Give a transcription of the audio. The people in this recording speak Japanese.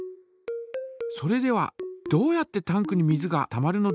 それではどうやってタンクに水がたまるのでしょうか。